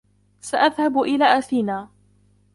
.سأذهب إلى أثينا